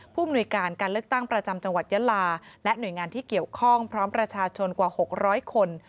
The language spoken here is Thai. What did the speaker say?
มนุยการการเลือกตั้งประจำจังหวัดยะลาและหน่วยงานที่เกี่ยวข้องพร้อมประชาชนกว่า๖๐๐คน